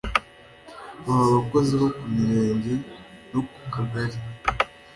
baba abakozi bo ku mirenge no ku kagari